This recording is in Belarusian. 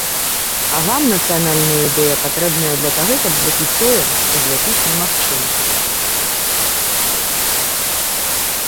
А вам нацыянальная ідэя патрэбная для таго, каб зляпіць тое, што зляпіць немагчыма.